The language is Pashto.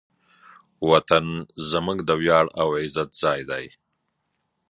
وطن زموږ د ویاړ او عزت ځای دی.